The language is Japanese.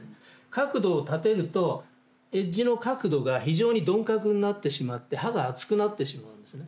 角度を立てるとエッジの角度が非常に鈍角になってしまって刃が厚くなってしまうんですね。